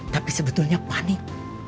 tapi sebetulnya panik